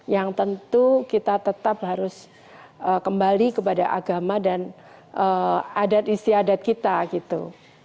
yang tentu kita tetap harus kembali kepada agama dan adat istiadat kita gitu